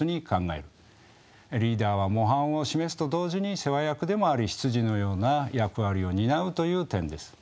リーダーは模範を示すと同時に世話役でもあり執事のような役割を担うという点です。